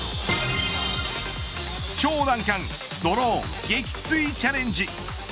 超難関ドローン撃墜チャレンジ。